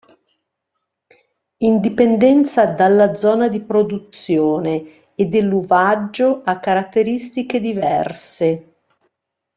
In dipendenza dalla zona di produzione e dell'uvaggio ha caratteristiche diverse.